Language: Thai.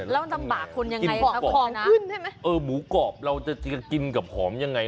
แล้วมันลำบากคนยังไงขึ้นใช่ไหมเออหมูกรอบเราจะกินกับหอมยังไง